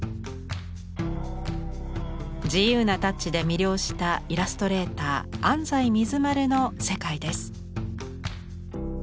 自由なタッチで魅了したイラストレーター安西水丸の世界です。